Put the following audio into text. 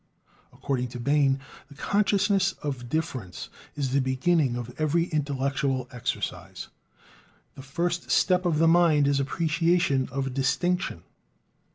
According to Bain, the consciousness of difference is the beginning of every intellectual exercise; the first step of the mind is appreciation of "distinction."